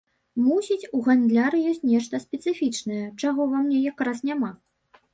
Мусіць, у гандляры ёсць нешта спецыфічнае, чаго ва мне якраз няма.